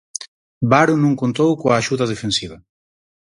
Varo non contou coa axuda defensiva.